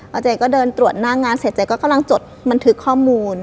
เอาเจ๊ก็เดินตรวจหน้างานเสร็จเจ๊ก็กำลังจดบันทึกข้อมูล